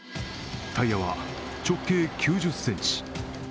タイヤは直径９０ｃｍ。